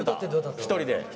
１人で？